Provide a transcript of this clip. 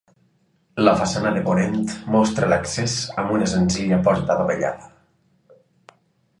La façana de ponent mostra l'accés amb una senzilla porta adovellada.